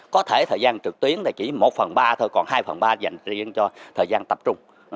có thể thời gian trực tuyến là chỉ một phần ba thôi còn hai phần ba dành riêng cho thời gian tập trung